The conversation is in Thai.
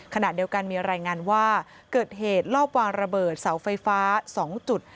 ขณะเดียวกันมีรายงานว่าเกิดเหตุลอบวางระเบิดเสาไฟฟ้า๒จุด